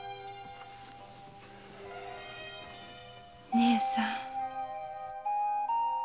姉さん。